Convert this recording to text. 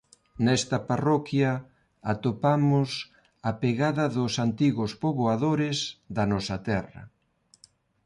Nesta parroquia atopamos a pegada dos antigos poboadores da nosa terra.